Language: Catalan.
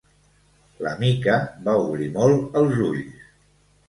La Mica va obrir molt els ulls.